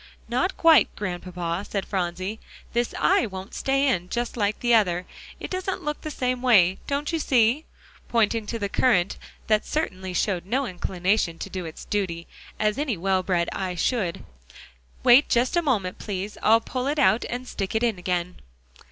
"Not quite, Grandpapa," said Phronsie; "this eye won't stay in just like the other. It doesn't look the same way, don't you see?" pointing to the currant that certainly showed no inclination to do its duty, as any well bred eye should. "Wait just a moment, please; I'll pull it out and stick it in again."